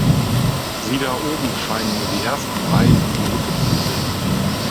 Sie da oben scheinen nur die ersten Reihen und die Mitte zu sehen.